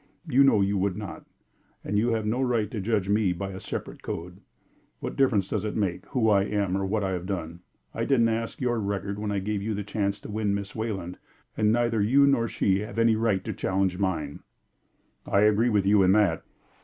You know you would not, and you have no right to judge me by a separate code. What difference does it make who I am or what I have done? I didn't ask your record when I gave you the chance to win Miss Wayland, and neither you nor she have any right to challenge mine." "I agree with you in that."